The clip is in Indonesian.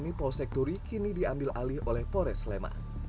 ini posekturi kini diambil alih oleh pores sleman